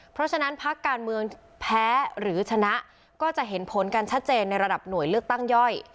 เพราะฉะนั้นพักการเมืองแพ้หรือชนะก็จะเห็นผลกันชัดเจนในระดับหน่วยเลือกตั้งย่อย